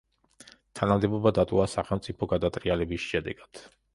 თანამდებობა დატოვა სახელმწიფო გადატრიალების შედეგად.